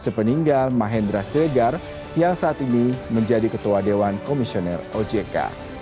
sepeninggal mahendra siregar yang saat ini menjadi ketua dewan komisioner ojk